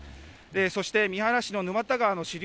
そして三原市の沼田川の支流、